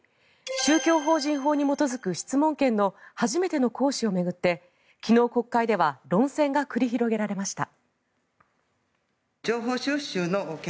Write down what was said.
宗教法人法に基づく質問権の初めての行使を巡って昨日、国会では論戦が繰り広げられました。